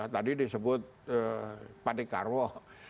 tadi disebut pak dek karwo